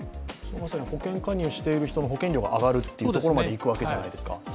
保険加入している人の保険料が上がるというところまでいくわけじゃないですか。